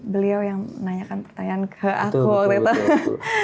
beliau yang menanyakan pertanyaan ke aku waktu